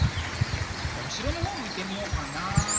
じゃあ後ろの方もいってみようかな。